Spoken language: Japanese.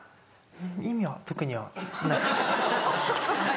意味は特にはない。